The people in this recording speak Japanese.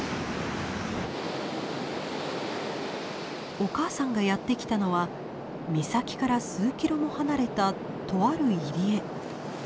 お母さんがやって来たのは岬から数キロも離れたとある入り江。